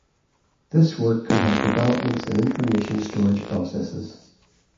This work could have developments in information storage processes.